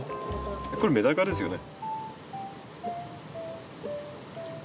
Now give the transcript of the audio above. これメダカですよね。